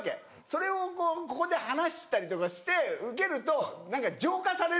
それをこうここで話したりとかしてウケると何か浄化されるじゃん。